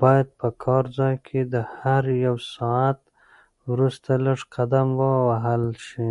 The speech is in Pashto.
باید په کار ځای کې د هر یو ساعت وروسته لږ قدم ووهل شي.